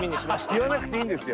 言わなくていいんですよ。